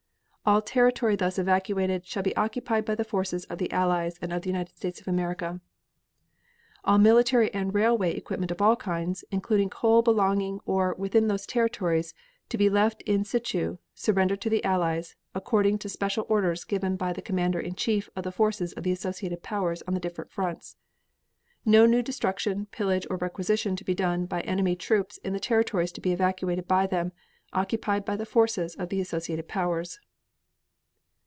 All territory thus evacuated shall be occupied by the forces of the Allies and of the United States of America. All military and railway equipment of all kinds, including coal belonging or within those territories, to be left in situ and surrendered to the Allies, according to special orders given by the commander in chief of the forces of the associated Powers on the different fronts. No new destruction, pillage or requisition to be done by enemy troops in the territories to be evacuated by them and occupied by the forces of the associated Powers.